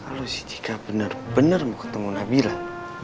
kalo cika bener bener mau ketemu nabilah